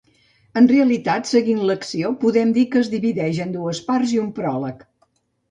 En realitat, seguint l'acció, podem dir que es divideix en dues parts i un pròleg.